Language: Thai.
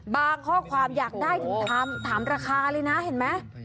บางข้อความอยากได้ถามราคาเลยนะเห็นมั้ย